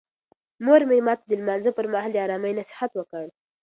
مور مې ماته د لمانځه پر مهال د آرامۍ نصیحت وکړ.